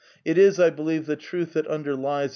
It is, I believe, the truth that underlieer